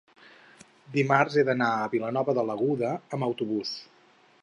dimarts he d'anar a Vilanova de l'Aguda amb autobús.